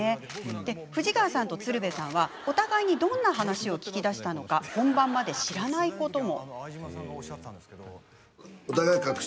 藤ヶ谷さんと鶴瓶さんはお互いにどんな話を聞き出したのか本番まで知らないことも。